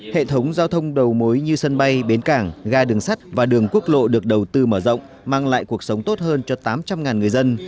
hệ thống giao thông đầu mối như sân bay bến cảng ga đường sắt và đường quốc lộ được đầu tư mở rộng mang lại cuộc sống tốt hơn cho tám trăm linh người dân